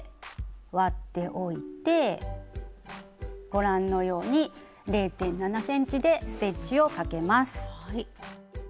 ご覧のように０．７ｃｍでステッチをかけます。